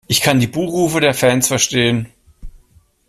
Ich kann die Buh-Rufe der Fans verstehen.